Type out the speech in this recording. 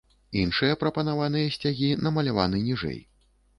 Іншыя прапанаваныя сцягі намаляваны ніжэй.